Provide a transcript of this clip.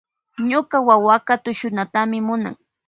Ñuka wawaka tushunatami munan.